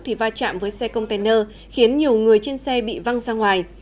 thì va chạm với xe container khiến nhiều người trên xe bị văng ra ngoài